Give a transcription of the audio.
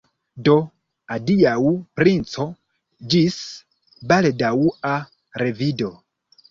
Do, adiaŭ, princo, ĝis baldaŭa revido!